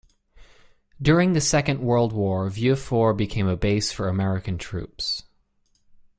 During the Second World War, Vieux Fort became a base for American troops.